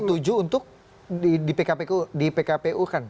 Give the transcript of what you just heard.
setuju untuk di pkpu kan